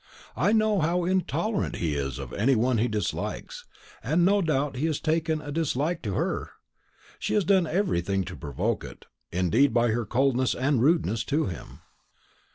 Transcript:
"I know how intolerant he is of any one he dislikes; and no doubt he has taken a dislike to her; she has done everything to provoke it, indeed, by her coldness and rudeness to him."